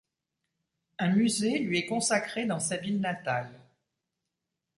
Un musée lui est consacré dans sa ville natale.